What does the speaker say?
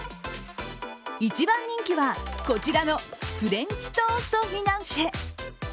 一番人気は、こちらのフレンチトーストフィナンシェ。